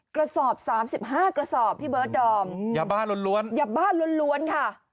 กระสอบ๓๕กระสอบพี่เบิร์ดดอมยาบ้าล้วนยาบ้าล้วนค่ะ